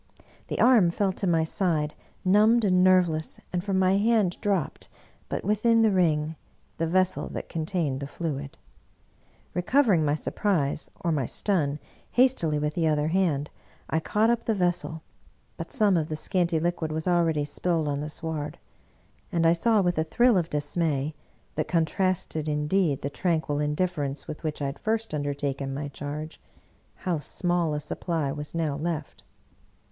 The arm fell to my side numbed and nerveless, and from my hand dropped, but within the ring, the vessel that contained the fluid. Re 88 Bulwer Lytton covering my surprise or my stun, hastily with the other hand I caught up the vessel, but some of the scanty liquid was already spilled on the sward; and I saw with a thrill of dismay, that contrasted indeed the tranquil indifference with which I had first undertaken my charge, how small a supply was now left.